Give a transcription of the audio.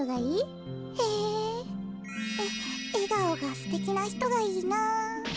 えがおがすてきなひとがいいな。